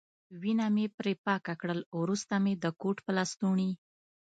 وینه مې پرې پاکه کړل، وروسته مې د کوټ په لستوڼي.